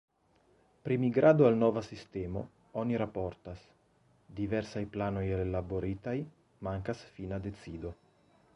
Pri migrado al nova sistemo oni raportas ”Diversaj planoj ellaboritaj, mankas fina decido”.